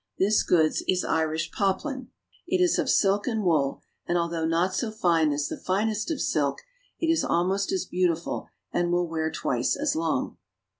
This goods is Irish poplin. It is of silk and wool, and although not so fine as the finest of silk, it is almost as beautiful and will wear twice as long.